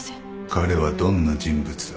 彼はどんな人物だ？